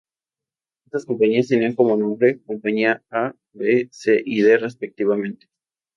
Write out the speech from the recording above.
Estas compañías tenían como nombre compañía A, B, C, y D respectivamente.